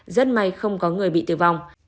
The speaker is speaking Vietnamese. rất may không có người bị tử vong